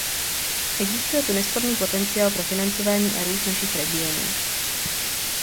Existuje tu nesporný potenciál pro financování a růst našich regionů.